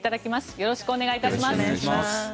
よろしくお願いします。